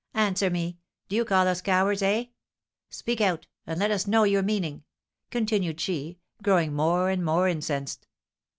"Answer me, do you call us cowards, eh? Speak out, and let us know your meaning," continued she, growing more and more incensed.